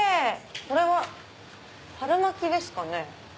これは春巻きですかね？